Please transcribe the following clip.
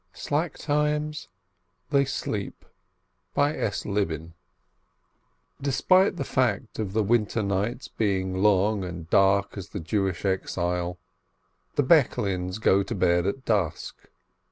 SLACK TIMES THEY SLEEP Despite the fact of the winter nights being long and dark as the Jewish exile, the Breklins go to bed at dusk.